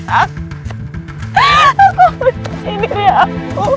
aku bencin diri aku